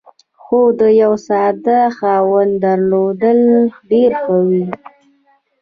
خو د یوه ساده خاوند درلودل ډېر ښه وي.